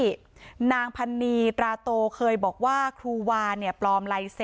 ที่นางพันนีประโตเคยบอกว่าครูวาปลอมไลเซน